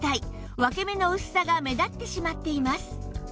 分け目の薄さが目立ってしまっています